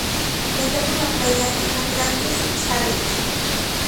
Cuenta con la playas y con grandes chalets.